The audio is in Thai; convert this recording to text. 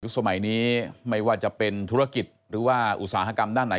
สมัยนี้ไม่ว่าจะเป็นธุรกิจหรือว่าอุตสาหกรรมด้านไหน